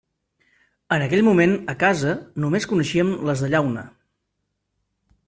En aquell moment a casa només coneixíem les de llauna.